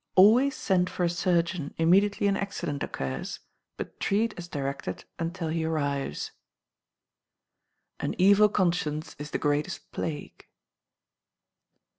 Always send for a surgeon immediately an accident occurs, but treat as directed until he arrives. [AN EVIL CONSCIENCE IS THE GREATEST PLAGUE.